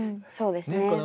そうですね。